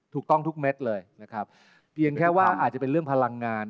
ถูกต้องทุกเม็ดเลยนะครับเพียงแค่ว่าอาจจะเป็นเรื่องพลังงาน